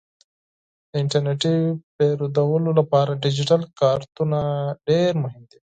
د انټرنیټي پیرودلو لپاره ډیجیټل کارتونه ډیر مهم دي.